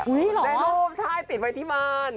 ได้รูปใช่ติดไว้ที่มาน